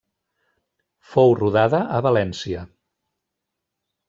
Fou rodada a València.